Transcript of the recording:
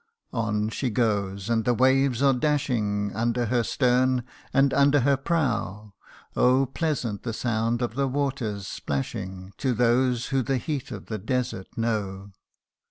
On she goes, and the waves are dashing Under her stern, and under her prow ; Oh ! pleasant the sound of the waters splashing To those who the heat of the desert know.